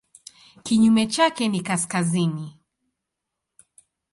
Kinyume chake ni kaskazini.